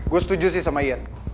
gua setuju sih sama yard